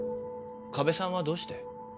加部さんはどうして？